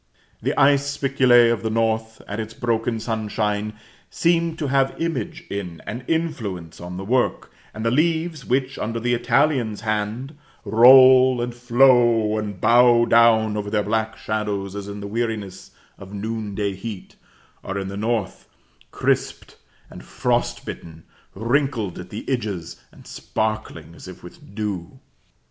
The ice spiculæ of the North, and its broken sunshine, seem to have image in, and influence on the work; and the leaves which, under the Italian's hand, roll, and flow, and bow down over their black shadows, as in the weariness of noon day heat, are, in the North, crisped and frost bitten, wrinkled on the edges, and sparkling as if with dew.